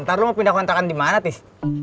ntar lo mau pindah kontrakan dimana tis